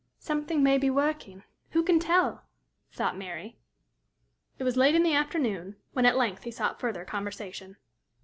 "Something may be working who can tell!" thought Mary. It was late in the afternoon when at length he sought further conversation.